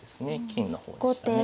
金の方でしたね。